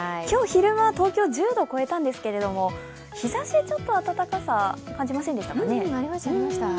今日、昼間、東京１０度を越えたんですけれども、日ざし、ちょっと暖かさ感じませんでしたかね。